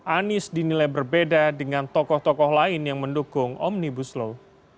anies dinilai berbeda dengan tokoh tokoh lain yang mendukung omnibus law